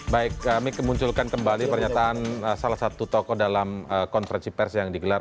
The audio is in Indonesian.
baik kami kemunculkan kembali pernyataan salah satu tokoh dalam konferensi pers yang digelar